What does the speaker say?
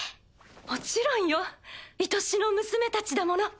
もちろんよ愛しの娘たちだもの。